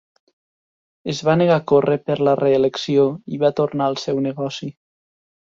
Es va negar a córrer per la reelecció, i va tornar al seu negoci.